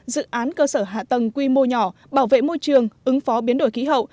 dự án cơ sở hạ tầng quy mô nhỏ bảo vệ môi trường ứng phó biến đổi khí hậu